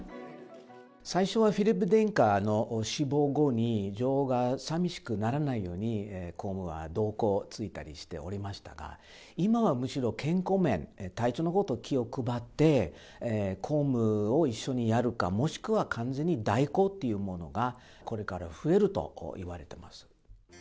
最初はフィリップ殿下の死亡後に、女王が寂しくならないように、公務は同行ついたりしておりましたが、今はむしろ、健康面、体調のほうに気を配って、公務を一緒にやるか、もしくは完全に代行っていうものが、これから増えるといわれてます。